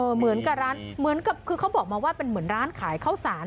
เหมือนกับคือเขาบอกมาว่าเป็นเหมือนร้านขายข้าวสาร